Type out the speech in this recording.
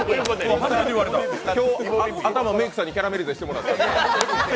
今日、頭、メイクさんにキャラメリゼしてもらった？